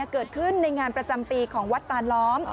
เกิดขึ้นในงานประจำปีของวัดตานล้อม